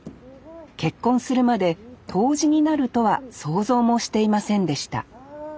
結婚するまで杜氏になるとは想像もしていませんでしたわあ。